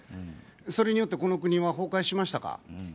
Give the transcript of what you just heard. それによってこの国は崩壊しましたか。